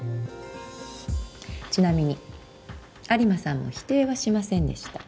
ちなみに有馬さんも否定はしませんでした。